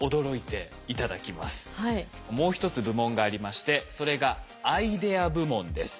もう一つ部門がありましてそれがアイデア部門です。